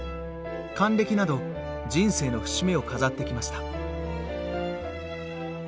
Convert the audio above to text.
還暦など人生の節目を飾ってきました。